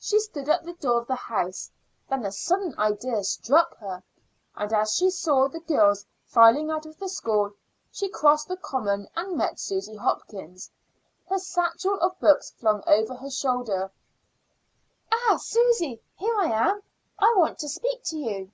She stood at the door of the house; then a sudden idea struck her, and as she saw the girls; filing out of the school, she crossed the common and met Susy Hopkins, her satchel of books flung across her shoulder. "Ah, Susy, here I am. I want to speak to you."